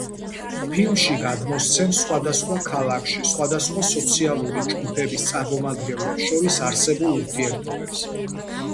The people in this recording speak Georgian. ფილმი გადმოსცემს სხვადასხვა ქალაქში სხვადასხვა სოციალური ჯგუფების წარმომადგენლებს შორის არსებულ ურთიერთობებს.